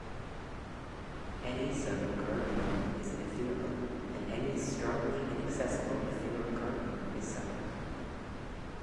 Any subtle cardinal is ethereal, and any strongly inaccessible ethereal cardinal is subtle.